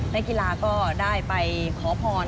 นักกีฬาก็ได้ไปขอพร